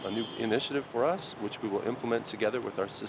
và nó là một kế hoạch để phát triển một kế hoạch